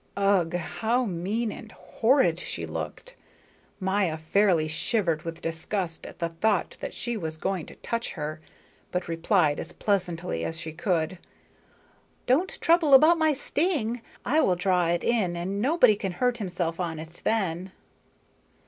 Ugh, how mean and horrid she looked! Maya fairly shivered with disgust at the thought that she was going to touch her, but replied as pleasantly as she could: "Don't trouble about my sting. I will draw it in, and nobody can hurt himself on it then."